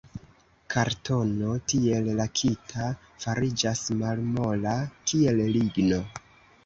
Kartono, tiel lakita, fariĝas malmola, kiel ligno.